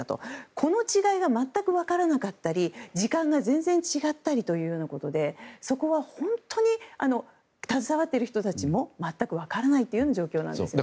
この違いが全く分からなかったり時間が全然違ったりということで本当に携わっている人たちも全く分からない状況なんです。